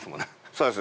そうです。